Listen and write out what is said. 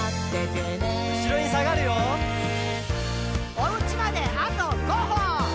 「おうちまであと５歩！」